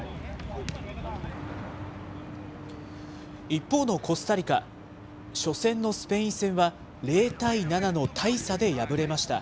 一方のコスタリカ、初戦のスペイン戦は０対７の大差で敗れました。